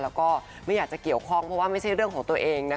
แล้วก็ไม่อยากจะเกี่ยวข้องเพราะว่าไม่ใช่เรื่องของตัวเองนะคะ